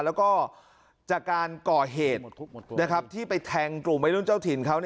แล้วก็จากการก่อเหตุที่ไปแทงกลุ่มวัยรุ่นเจ้าถิ่นเขา